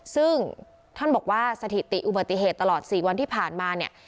ซึ่งท่านบอกว่าสถิติอุบัติเหตุตลอด๔วันที่ผ่านมาเนี่ย